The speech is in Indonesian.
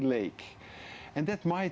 dan itu mungkin